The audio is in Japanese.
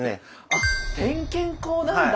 あっ点検口なんだ。